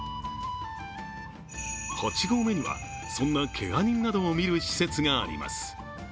８合目にはそんなけが人などを診る施設があります。